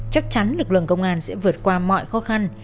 chắc chắn lực lượng công an sẽ vượt qua mọi khó khăn